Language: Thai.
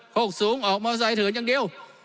โคกสูงออกมอเตอร์ไซด์เถือนอย่างเดียว